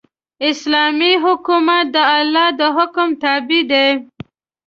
اسلامي حکومت د الله د حکم تابع دی.